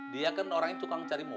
dia kan orangnya tukang cari muka